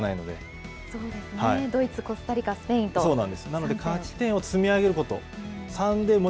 ドイツ、コスタリカ、スペインなので、勝ち点を積み上げること。